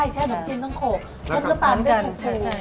นุ่มจีนต้องโขกปนกระป๋าไม่ต้องโขก